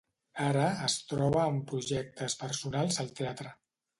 Ara, es troba amb projectes personals al teatre.